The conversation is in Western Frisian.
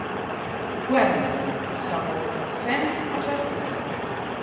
Foardielen, sawol foar fan as artyst.